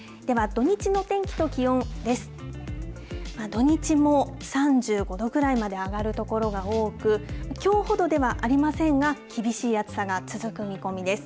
土日も３５度ぐらいまで上がる所が多く、きょうほどではありませんが、厳しい暑さが続く見込みです。